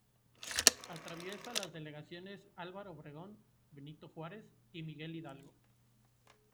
Atraviesa las delegaciones Álvaro Obregón, Benito Juárez y Miguel Hidalgo.